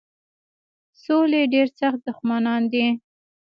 سولي ډېر سخت دښمنان دي.